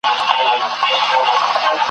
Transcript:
چي تمام دېوان یې له باریکیو ډک دی `